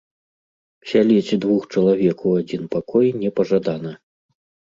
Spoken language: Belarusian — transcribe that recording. Сяліць двух чалавек у адзін пакой не пажадана.